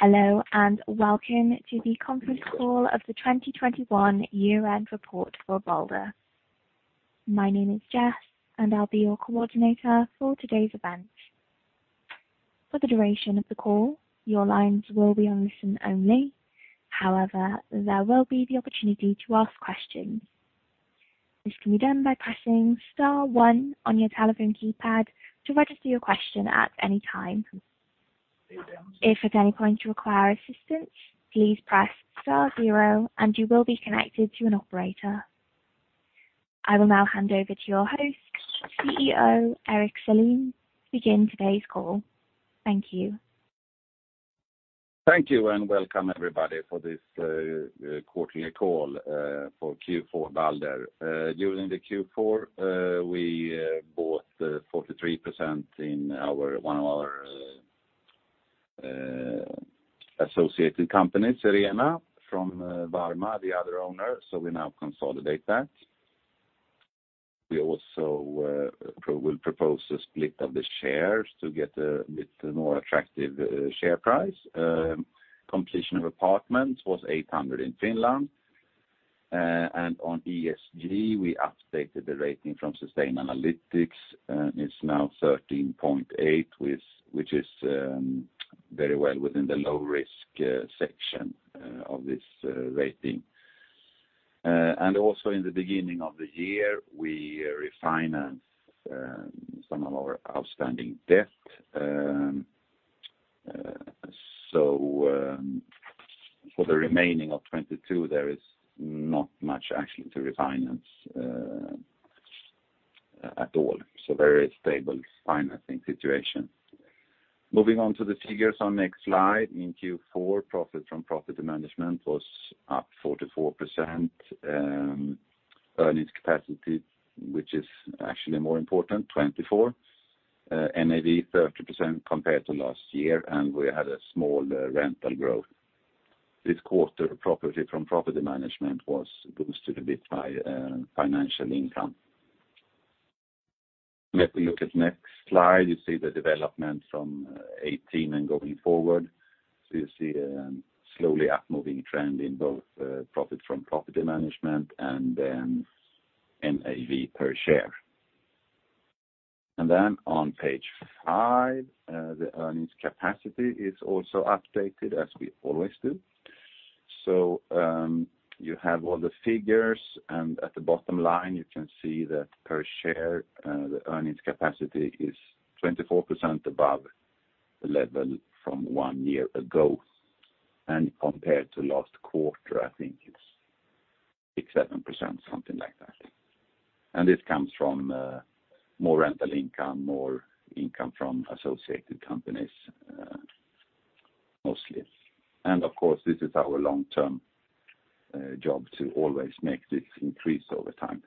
Hello, and welcome to the conference call of the 2021 year-end report for Balder. My name is Jess, and I'll be your coordinator for today's event. For the duration of the call, your lines will be on listen only. However, there will be the opportunity to ask questions. This can be done by pressing star one on your telephone keypad to register your question at any time. If at any point you require assistance, please press star zero, and you will be connected to an operator. I will now hand over to your host, CEO Erik Selin, to begin today's call. Thank you. Thank you, and welcome everybody for this quarterly call for Q4 Balder. During Q4, we bought 43% in one of our associated companies, Serena, from Varma, the other owner, so we now consolidate that. We also will propose a split of the shares to get a bit more attractive share price. Completion of apartments was 800 in Finland. On ESG, we updated the rating from Sustainalytics. It's now 13.8, which is very well within the low risk section of this rating. In the beginning of the year, we refinance some of our outstanding debt. For the remaining of 2022, there is not much actually to refinance at all, so very stable financing situation. Moving on to the figures on next slide. In Q4, profit from property management was up 44%. Earnings capacity, which is actually more important, 24%. NAV 30% compared to last year, and we had a small rental growth. This quarter, profit from property management was boosted a bit by financial income. If we look at next slide, you see the development from 2018 and going forward. You see a slowly upward moving trend in both profit from property management and then NAV per share. On page 5, the earnings capacity is also updated as we always do. You have all the figures, and at the bottom line, you can see that per share the earnings capacity is 24% above the level from 1 year ago. Compared to last quarter, I think it's 6-7%, something like that. This comes from more rental income, more income from associated companies, mostly. Of course, this is our long-term job to always make this increase over time.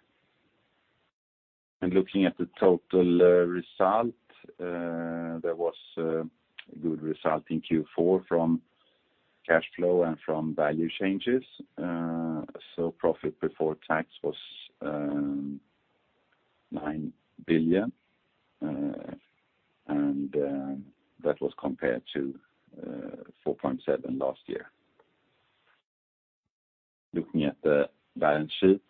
Looking at the total result, there was a good result in Q4 from cash flow and from value changes. So profit before tax was 9 billion. That was compared to 4.7 billion last year. Looking at the balance sheet,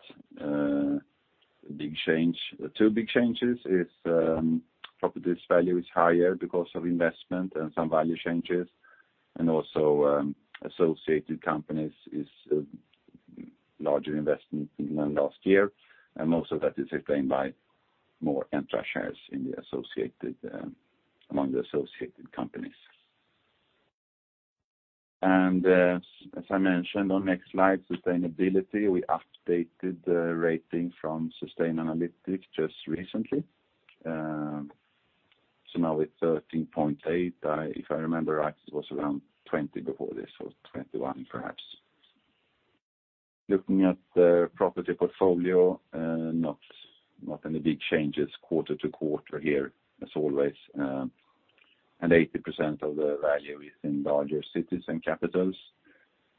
big change. The two big changes is properties value is higher because of investment and some value changes, and also associated companies is larger investment than last year. Most of that is explained by more Entra shares among the associated companies. As I mentioned on next slide, sustainability, we updated the rating from Sustainalytics just recently. So now with 13.8, if I remember right, it was around 20 before this or 21 perhaps. Looking at the property portfolio, not any big changes quarter to quarter here as always. And 80% of the value is in larger cities and capitals.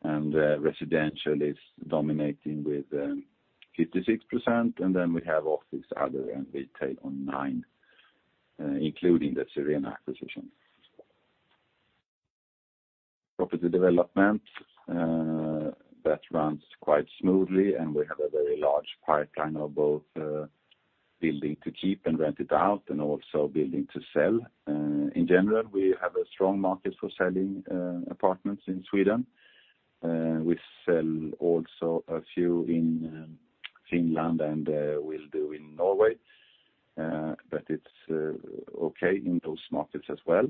Residential is dominating with 56%, and then we have office, other, and retail on 9%, including the Serena acquisition. Property development that runs quite smoothly, and we have a very large pipeline of both building to keep and rent it out and also building to sell. In general, we have a strong market for selling apartments in Sweden. We sell also a few in Finland and will do in Norway. It's okay in those markets as well.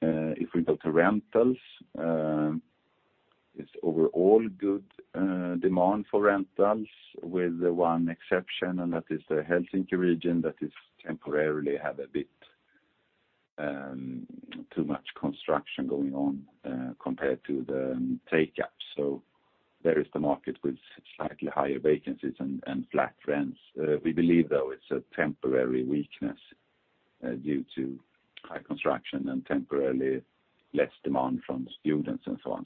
If we go to rentals, it's overall good demand for rentals with one exception, and that is the Helsinki region that temporarily has a bit too much construction going on compared to the take-up. There is the market with slightly higher vacancies and flat rents. We believe, though, it's a temporary weakness due to high construction and temporarily less demand from students and so on.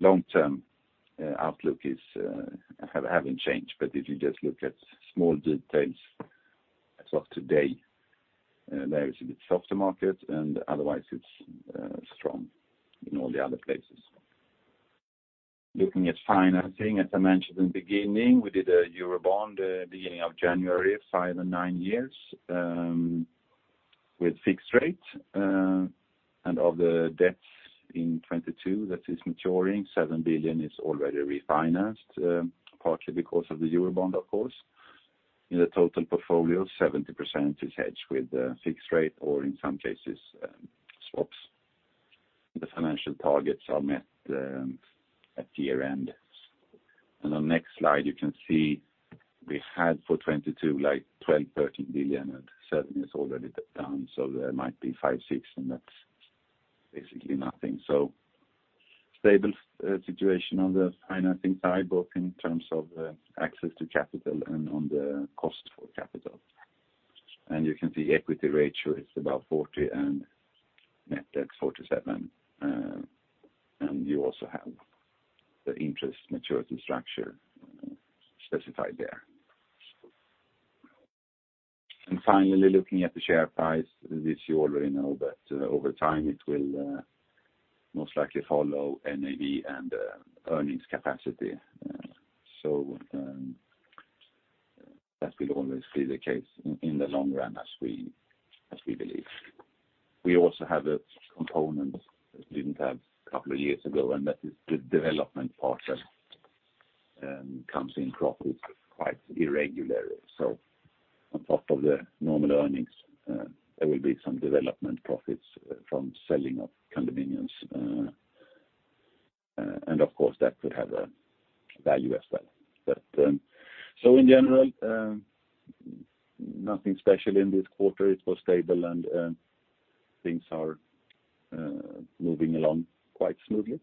Long-term outlook hasn't changed, but if you just look at small details. As of today, there is a bit softer market and otherwise it's strong in all the other places. Looking at financing, as I mentioned in the beginning, we did a Euro bond beginning of January, 5 and 9 years, with fixed rate. Of the debts in 2022 that is maturing, 7 billion is already refinanced, partly because of the Euro bond, of course. In the total portfolio, 70% is hedged with fixed rate, or in some cases, swaps. The financial targets are met at year-end. On next slide, you can see we had for 2022, like 12 billion-13 billion, and seven is already down, so there might be 5, 6, and that's basically nothing. Stable situation on the financing side, both in terms of access to capital and on the cost of capital. You can see equity ratio is about 40% and net debt 47%. You also have the interest maturity structure specified there. Finally, looking at the share price, this you already know that over time, it will most likely follow NAV and earnings capacity. That will always be the case in the long run as we believe. We also have a component that we didn't have a couple of years ago, and that is the development part that comes in profit quite irregularly. On top of the normal earnings, there will be some development profits from selling of condominiums, and of course, that could have a value as well. In general, nothing special in this quarter. It was stable and things are moving along quite smoothly.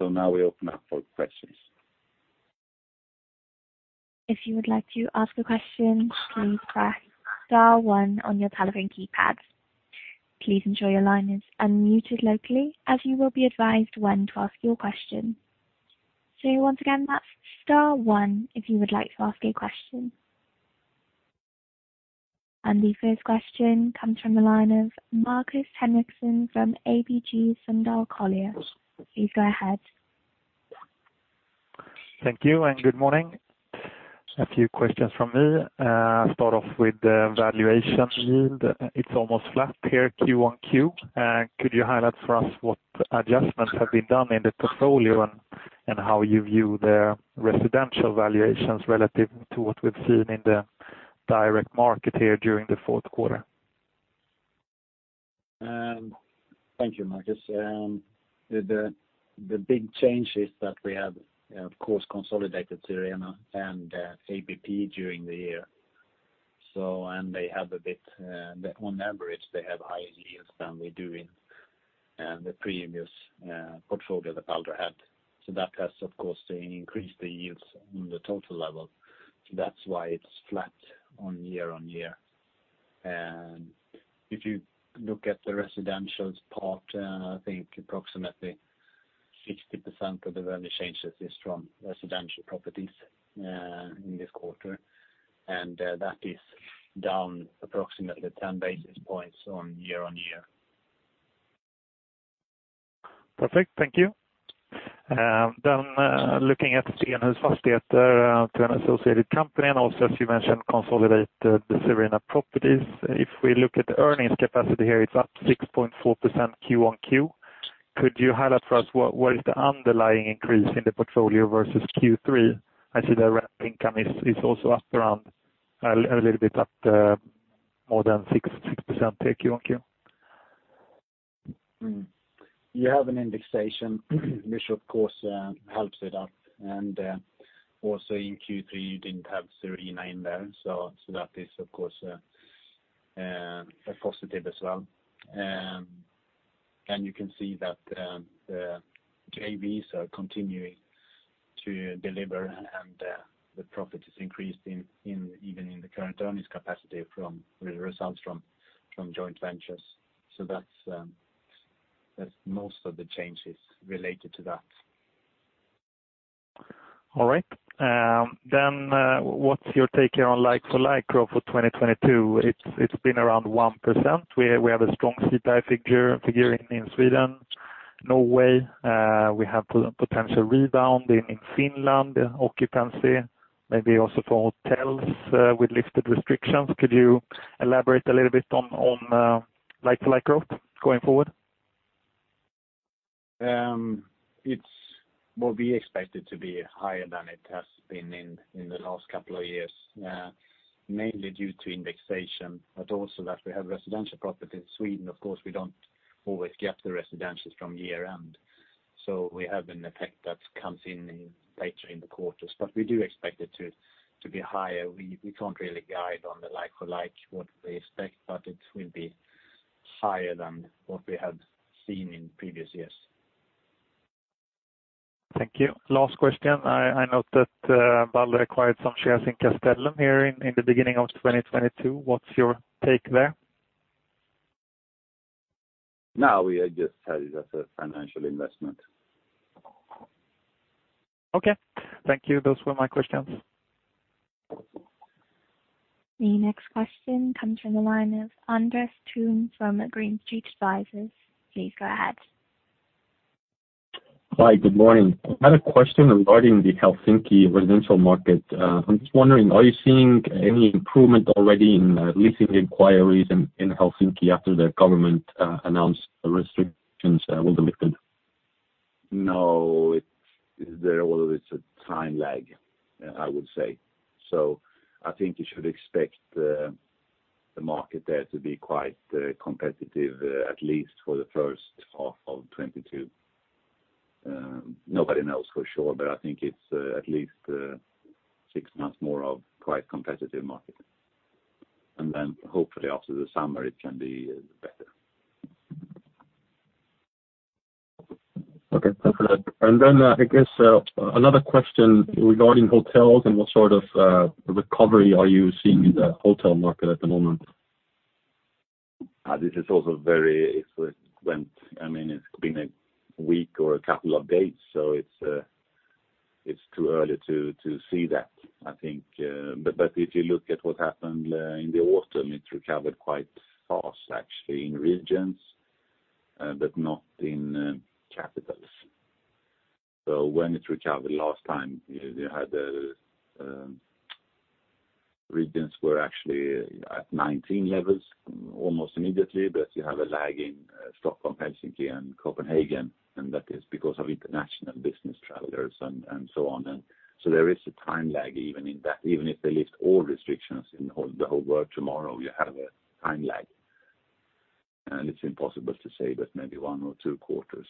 Now we open up for questions. If you would like to ask a question, please press star one on your telephone keypad. Please ensure your line is unmuted locally, as you will be advised when to ask your question. Once again, that's star one if you would like to ask a question. The first question comes from the line of Markus Henriksson from ABG Sundal Collier. Please go ahead. Thank you and good morning. A few questions from me. Start off with the valuation yield. It's almost flat here Q-on-Q. Could you highlight for us what adjustments have been done in the portfolio and how you view the residential valuations relative to what we've seen in the direct market here during the Q4? Thank you, Marcus. The big change is that we have, of course, consolidated Serena and ABP during the year. They have a bit, on average, higher yields than we do in the previous portfolio that Balder had. That has, of course, increased the yields on the total level. That's why it's flat year-on-year. If you look at the residential part, I think approximately 60% of the value changes is from residential properties in this quarter. That is down approximately ten basis points year-on-year. Perfect. Thank you. Looking at Stenhus Fastigheter, to an associated company, and also, as you mentioned, consolidate the Serena Properties. If we look at the earnings capacity here, it's up 6.4% Q-on-Q. Could you highlight for us what is the underlying increase in the portfolio versus Q3? I see the rent income is also up around a little bit up, more than 6% here Q-on-Q. You have an indexation which of course helps it up. Also in Q3, you didn't have Serena in there. That is, of course, a positive as well. You can see that the JVs are continuing to deliver and the profit is increased, even in the current earnings capacity from the results from joint ventures. That's most of the changes related to that. What's your take on like-for-like growth for 2022? It's been around 1%. We have a strong CPI figure in Sweden. Norway, we have potential rebound in Finland, occupancy, maybe also for hotels with lifted restrictions. Could you elaborate a little bit on like-for-like growth going forward? Well, we expect it to be higher than it has been in the last couple of years, mainly due to indexation, but also that we have residential property in Sweden. Of course, we don't always get the residentials from year-end. We have an effect that comes in later in the quarters. We do expect it to be higher. We can't really guide on the like-for-like what we expect, but it will be higher than what we have seen in previous years. Thank you. Last question. I note that Balder acquired some shares in Castellum here in the beginning of 2022. What's your take there? No, we just had it as a financial investment. Okay. Thank you. Those were my questions. The next question comes from the line of Andres Toome from Green Street Advisors. Please go ahead. Hi, good morning. I had a question regarding the Helsinki residential market. I'm just wondering, are you seeing any improvement already in leasing inquiries in Helsinki after the government announced the restrictions were lifted? No, there was a time lag, I would say. I think you should expect the market there to be quite competitive, at least for the first half of 2022. Nobody knows for sure, but I think it's at least six months more of quite competitive market. Hopefully after the summer, it can be better. Okay. Thanks for that. I guess another question regarding hotels and what sort of recovery are you seeing in the hotel market at the moment? I mean, it's been a week or a couple of days, so it's too early to see that, I think. If you look at what happened in the autumn, it recovered quite fast actually in regions, but not in capitals. When it recovered last time, you had regions were actually at 90 levels almost immediately, but you have a lag in Stockholm, Helsinki, and Copenhagen, and that is because of international business travelers and so on. There is a time lag even in that. Even if they lift all restrictions in the whole world tomorrow, you have a time lag. It's impossible to say, but maybe 1 or 2 quarters.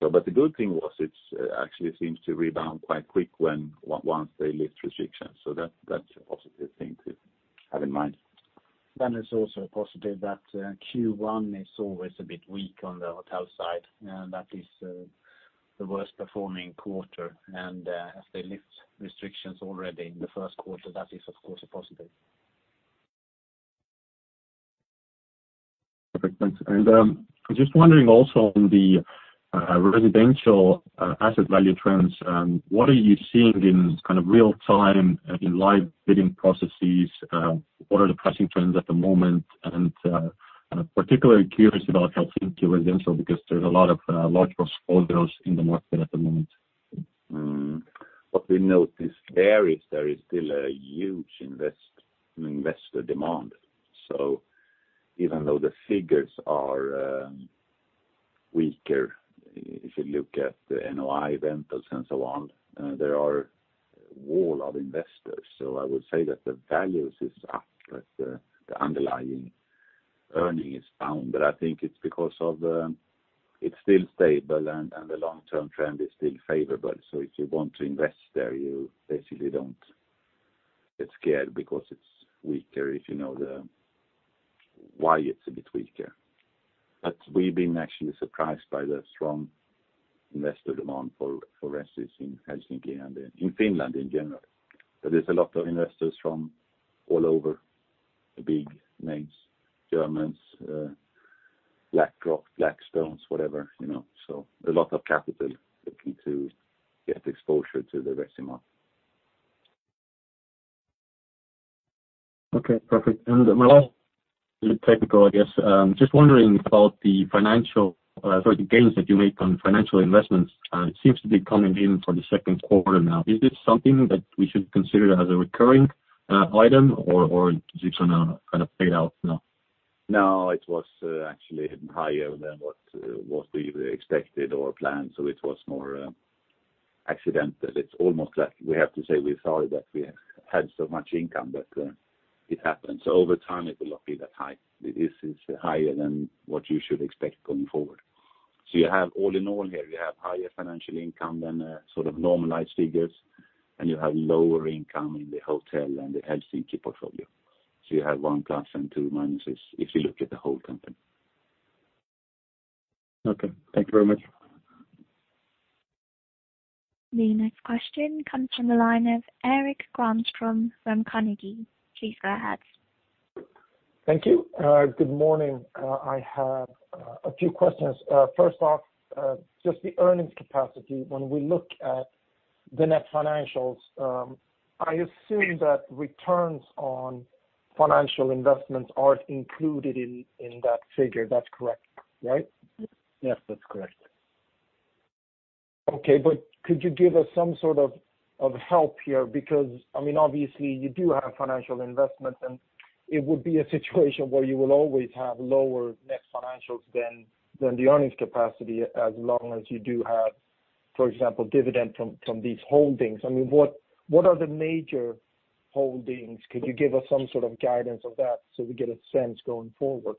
The good thing was it's actually seems to rebound quite quick once they lift restrictions. That, that's a positive thing to have in mind. It's also positive that Q1 is always a bit weak on the hotel side, and that is the worst performing quarter. If they lift restrictions already in the Q1, that is, of course, a positive. Perfect. Thanks. Just wondering also on the residential asset value trends, what are you seeing in kind of real time in live bidding processes? What are the pricing trends at the moment? I'm particularly curious about Helsinki residential because there's a lot of large portfolios in the market at the moment. What we notice there is still a huge investor demand. Even though the figures are weaker, if you look at the NOI rentals and so on, there are wall of investors. I would say that the values is up, but the underlying earning is down. I think it's because of the. It's still stable and the long-term trend is still favorable. If you want to invest there, you basically don't get scared because it's weaker if you know the why it's a bit weaker. We've been actually surprised by the strong investor demand for offices in Helsinki and in Finland in general. There is a lot of investors from all over the big names, Germans, BlackRock, Blackstone, whatever, you know. A lot of capital looking to get exposure to the Nordics. Okay, perfect. My last technical, I guess. Just wondering about the financial, sorry, the gains that you made on financial investments. It seems to be coming in for the Q2 now. Is this something that we should consider as a recurring item or is this gonna kind of fade out now? No, it was actually higher than what we expected or planned, so it was more accidental. It's almost like we have to say we're sorry that we had so much income, but it happened. Over time it will not be that high. This is higher than what you should expect going forward. You have all in all here, you have higher financial income than sort of normalized figures, and you have lower income in the hotel and the Helsinki portfolio. You have one plus and two minuses if you look at the whole company. Okay. Thank you very much. The next question comes from the line of Erik Granström from Carnegie. Please go ahead. Thank you. Good morning. I have a few questions. First off, just the earnings capacity. When we look at the net financials, I assume that returns on financial investments are included in that figure. That's correct, right? Yes, that's correct. Okay. Could you give us some sort of help here? Because I mean, obviously you do have financial investments, and it would be a situation where you will always have lower net financials than the earnings capacity as long as you do have, for example, dividend from these holdings. I mean, what are the major holdings? Could you give us some sort of guidance of that so we get a sense going forward?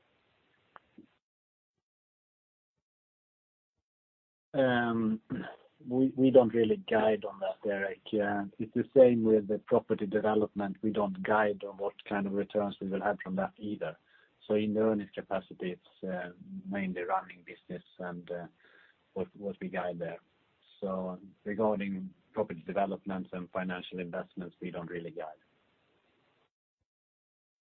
We don't really guide on that, Erik. It's the same with the property development. We don't guide on what kind of returns we will have from that either. In the earnings capacity, it's mainly running business and what we guide there. Regarding property developments and financial investments, we don't really guide.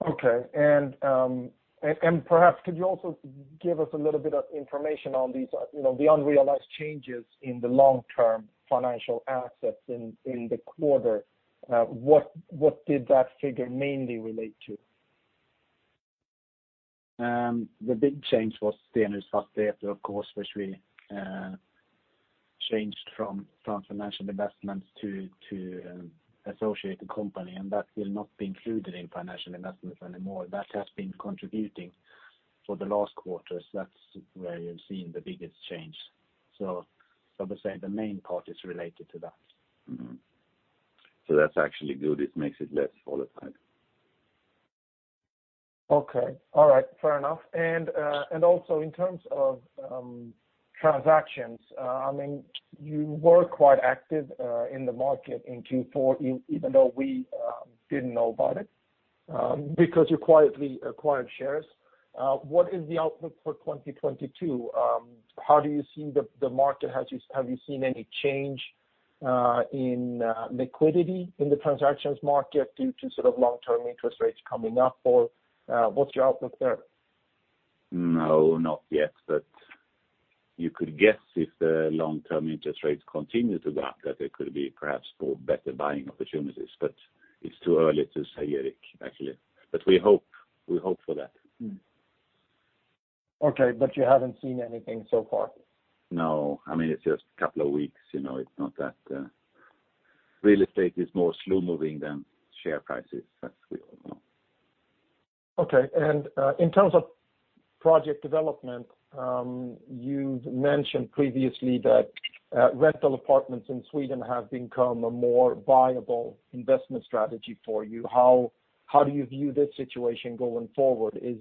Okay. Perhaps could you also give us a little bit of information on these, you know, the unrealized changes in the long-term financial assets in the quarter? What did that figure mainly relate to? The big change was the reclassification, after of course, which we changed from financial investments to associated company, and that will not be included in financial investments anymore. That has been contributing for the last quarters. That's where you're seeing the biggest change. I would say the main part is related to that. That's actually good. It makes it less volatile. Okay. All right. Fair enough. Also in terms of transactions, I mean, you were quite active in the market in Q4 even though we didn't know about it because you quietly acquired shares. What is the outlook for 2022? How do you see the market? Have you seen any change in liquidity in the transactions market due to sort of long-term interest rates coming up or what's your outlook there? No, not yet. You could guess if the long-term interest rates continue to drop, that it could be perhaps for better buying opportunities. It's too early to say, Eric, actually. We hope for that. Okay, you haven't seen anything so far? No. I mean, it's just a couple of weeks, you know, it's not that. Real estate is more slow-moving than share prices, as we all know. Okay. In terms of project development, you've mentioned previously that rental apartments in Sweden have become a more viable investment strategy for you. How do you view this situation going forward? Is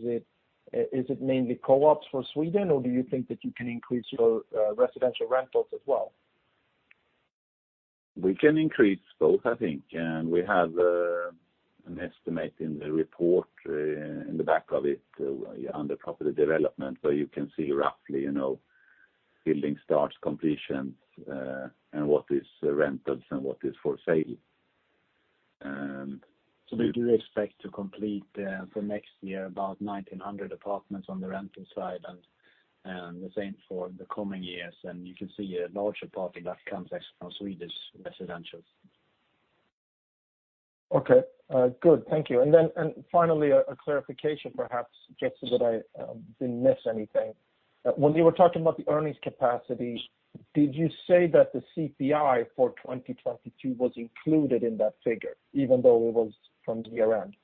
it mainly co-ops for Sweden, or do you think that you can increase your residential rentals as well? We can increase both, I think. We have an estimate in the report in the back of it under property development, where you can see roughly, you know, building starts, completions, and what is rentals and what is for sale. We do expect to complete for next year about 1,900 apartments on the rental side and the same for the coming years. You can see a larger part of that comes from Swedish residential. Okay. Good. Thank you. Finally, a clarification perhaps, just so that I didn't miss anything. When you were talking about the earnings capacity, did you say that the CPI for 2022 was included in that figure, even though it was from year-end?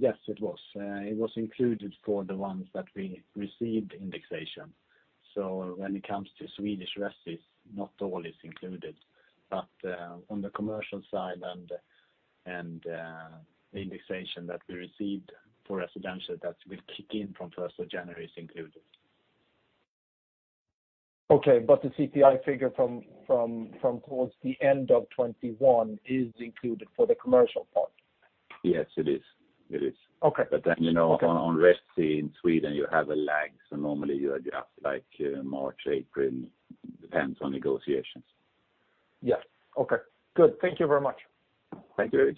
Yes, it was included for the ones that we received indexation. When it comes to Swedish residential, not all is included. On the commercial side and the indexation that we received for residential that will kick in from 1st January is included. Okay, the CPI figure from towards the end of 2021 is included for the commercial part? Yes, it is. Okay. You know, on resi in Sweden, you have a lag. Normally you adjust like March, April. It depends on negotiations. Yeah. Okay. Good. Thank you very much. Thank you, Erik.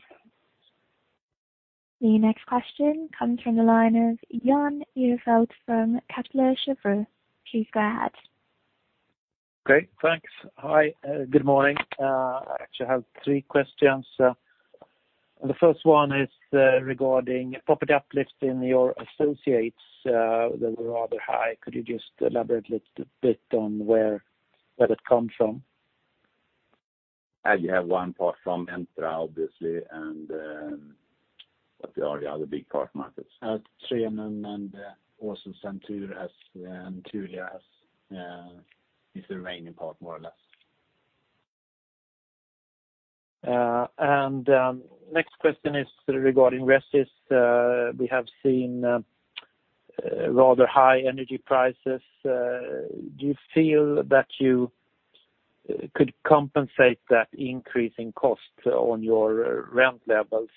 The next question comes from the line of Jan Ihrfelt from Kepler Cheuvreux. Please go ahead. Great. Thanks. Hi. Good morning. I actually have three questions. The first one is regarding property uplift in your associates. They were rather high. Could you just elaborate little bit on where that comes from? I have one part from Entra, obviously, and what are the other big part markets? Trenum and also SATO and Tulia as is the remaining part more or less. Next question is regarding resis. We have seen rather high energy prices. Do you feel that you could compensate that increase in cost on your rent levels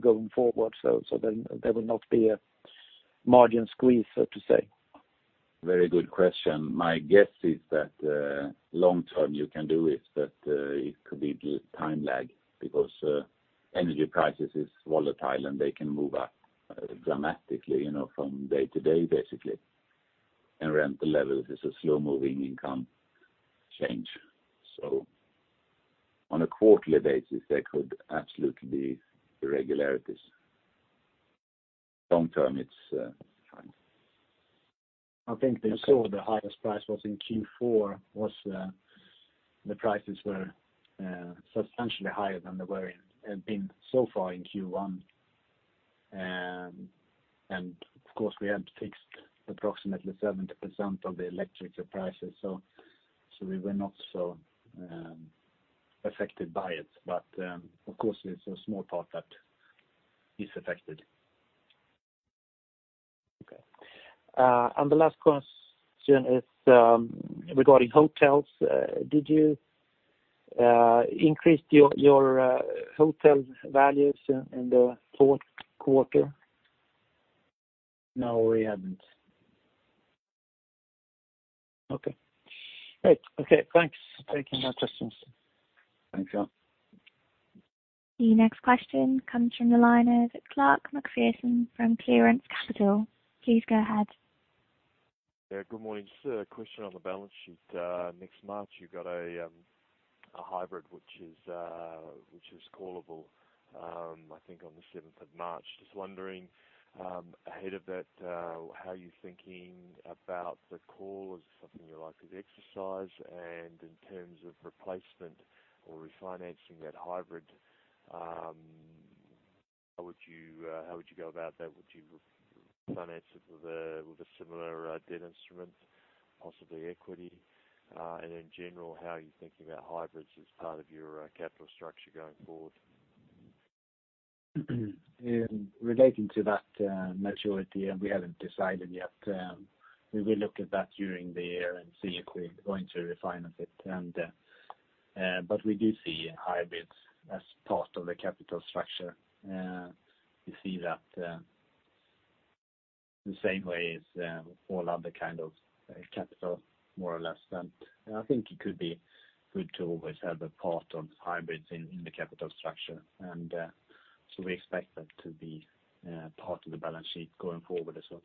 going forward so then there will not be a margin squeeze, so to say? Very good question. My guess is that, long-term you can do it, but, it could be due to time lag because, energy prices is volatile, and they can move up, dramatically, you know, from day to day, basically. Rental levels is a slow-moving income change. On a quarterly basis, there could absolutely be irregularities. Long-term, it's, fine. I think you saw the highest price was in Q4. The prices were substantially higher than they have been so far in Q1. Of course, we have fixed approximately 70% of the electricity prices. We were not so affected by it. Of course, there's a small part that is affected. Okay. The last question is regarding hotels. Did you increase your hotel values in the Q4? No, we haven't. Okay, thanks for taking my questions. Thanks, Jan. The next question comes from the line of Clark McPherson from Clearance Capital. Please go ahead. Yeah. Good morning. Just a question on the balance sheet. Next March, you've got a hybrid which is callable, I think on the seventh of March. Just wondering, ahead of that, how you're thinking about the call. Is it something you're likely to exercise? In terms of replacement or refinancing that hybrid, how would you go about that? Would you re-refinance it with a similar debt instrument, possibly equity? In general, how are you thinking about hybrids as part of your capital structure going forward? Relating to that maturity, we haven't decided yet. We will look at that during the year and see if we're going to refinance it. We do see hybrids as part of the capital structure. We see that the same way as all other kind of capital more or less. I think it could be good to always have a part of hybrids in the capital structure. We expect that to be part of the balance sheet going forward as well.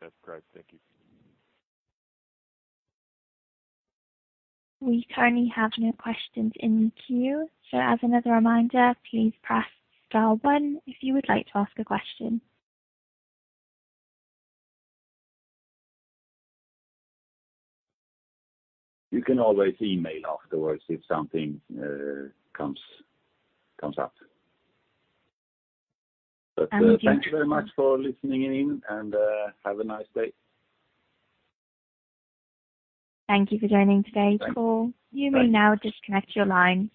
That's great. Thank you. We currently have no questions in the queue. As another reminder, please press star one if you would like to ask a question. You can always email afterwards if something comes up. And we can- Thank you very much for listening in and have a nice day. Thank you for joining today's call. Thank you. Bye. You may now disconnect your lines.